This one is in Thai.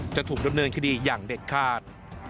จะถูกดำเนินคดีอย่างเด็ดขาด